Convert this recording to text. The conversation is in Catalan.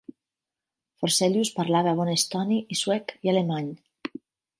Forselius parlava bon estoni i suec i alemany.